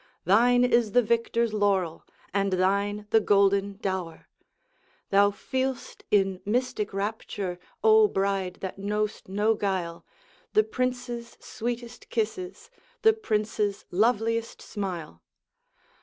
Thine is the Victor's laurel, And thine the golden dower. Thou feel'st in mystic rapture, O Bride that know'st no guile, The Prince's sweetest kisses, The Prince's loveliest smile.